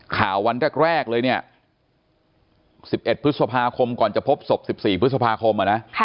ข่าววันแรกเลยเนี่ยสิบเอ็ดพฤษภาคมก่อนจะพบศพสิบสี่พฤษภาคมอ่ะนะ